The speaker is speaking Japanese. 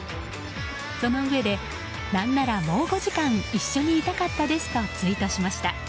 そのうえで、何ならもう５時間一緒にいたかったですとツイートしました。